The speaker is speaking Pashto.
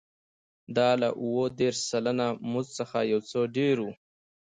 دا له اووه دېرش سلنه مزد څخه یو څه ډېر و